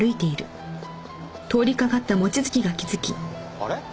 あれ？